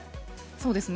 そうですね。